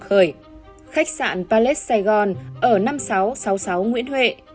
khách sạn palet sài gòn ở năm nghìn sáu trăm sáu mươi sáu nguyễn huệ